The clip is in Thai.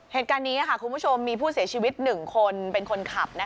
เหตุการณ์นี้คุณผู้ชมมีผู้เสียชีวิต๑คนเป็นคนขับ